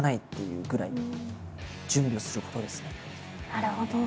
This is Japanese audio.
なるほど。